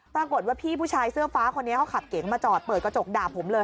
ปรากฏว่าพี่ผู้ชายเสื้อฟ้าคนนี้เขาขับเก๋งมาจอดเปิดกระจกด่าผมเลย